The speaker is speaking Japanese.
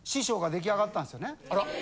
あら？